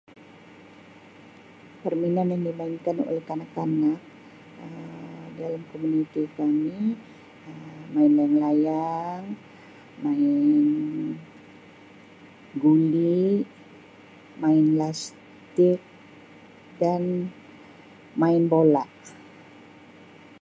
Perminan yang dimainkan oleh kanak-kanak Um dalam komuniti kami Um main layang layang, main guli main lastik dan main bola.